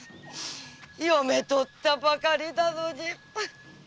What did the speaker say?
嫁とったばかりなのに。